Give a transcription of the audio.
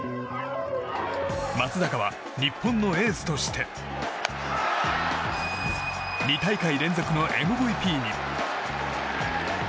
松坂は、日本のエースとして２大会連続のＭＶＰに。